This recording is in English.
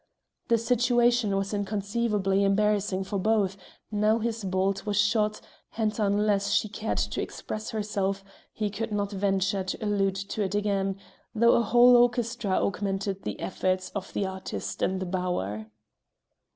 The situation was inconceivably embarrassing for both; now his bolt was shot, and unless she cared to express herself, he could not venture to allude to it again, though a whole orchestra augmented the efforts of the artist in the bower.